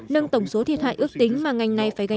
nâng tổng số thiệt hại ước tính mà ngành này đã tăng hơn